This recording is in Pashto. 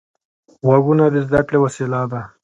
غوږونه د زده کړې وسیله ده